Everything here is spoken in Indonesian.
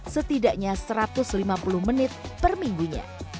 setidaknya satu ratus lima puluh menit per minggunya